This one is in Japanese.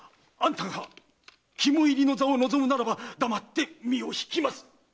あんたが肝煎の座を望むならば黙って身を引きます。